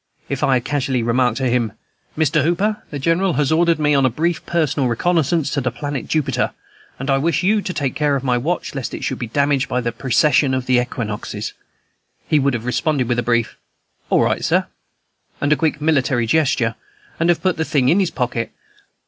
If I had casually remarked to him, "Mr. Hooper, the General has ordered me on a brief personal reconnoissance to the Planet Jupiter, and I wish you to take care of my watch, lest it should be damaged by the Precession of the Equinoxes," he would have responded with a brief "All right, Sir," and a quick military gesture, and have put the thing in his pocket.